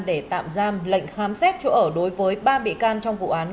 để tạm giam lệnh khám xét chỗ ở đối với ba bị can trong vụ án